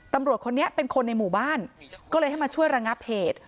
ตำรวจคนนี้เป็นคนในหมู่บ้านก็เลยให้มาช่วยระงับเหตุ